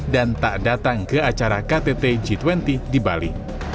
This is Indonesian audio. dan tak datang ke acara ktt g dua puluh di bali